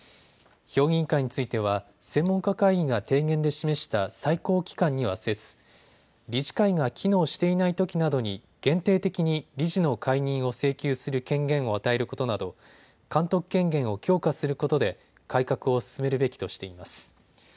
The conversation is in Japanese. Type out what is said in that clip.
評議員会については専門家会議が提言で示した最高機関にはせず理事会が機能していないときなどに限定的に理事の解任を請求する権限を与えることなど監督権限を強化することで改革を進めるべきとしています。